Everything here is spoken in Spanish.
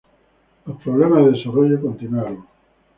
Los problemas de desarrollo continuaron.